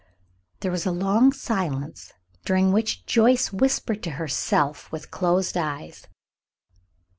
There was a long silence, during which Joyce whispered to herself with closed eyes.